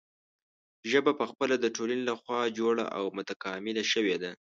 ژبه پخپله د ټولنې له خوا جوړه او متکامله شوې ده.